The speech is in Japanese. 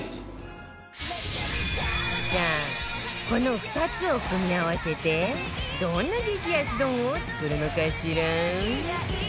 さあこの２つを組み合わせてどんな激安丼を作るのかしら？